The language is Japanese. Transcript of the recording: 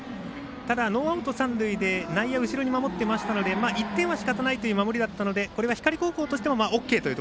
ただ、ノーアウト、三塁で内野、後ろに守っていましたので１点はしかたないという守りだったので光高校としてはＯＫという。